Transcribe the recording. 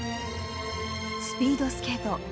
スピードスケート